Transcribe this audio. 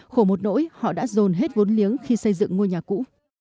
khổ một nỗi họ đã dồn hết vốn liếng khi xây dựng ngôi nhà cũ